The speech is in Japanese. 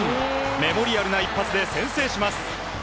メモリアルな一発で先制します。